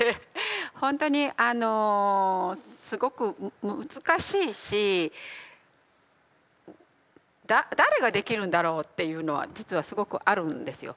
ほんとにあのすごく難しいし誰ができるんだろうっていうのは実はすごくあるんですよ。